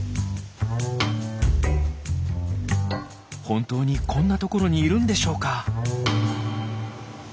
本当にこんな所にいるんでしょうか？